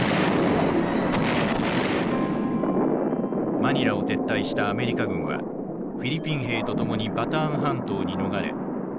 マニラを撤退したアメリカ軍はフィリピン兵と共にバターン半島に逃れ抵抗を続けていた。